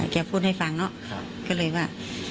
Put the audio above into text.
แกพูดให้ฟังเนอะ